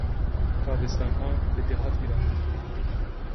تابستانها به دهات میرفتیم.